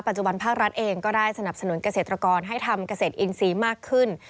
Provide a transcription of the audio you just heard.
จุบันภาครัฐเองก็ได้สนับสนุนเกษตรกรให้ทำเกษตรอินทรีย์มากขึ้น